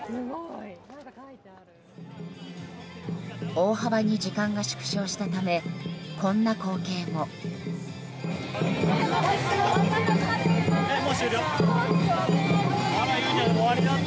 大幅に時間が縮小したためこんなこうけいも。